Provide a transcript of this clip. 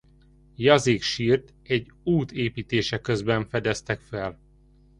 Jazig sírt egy út építése közben fedeztek fel.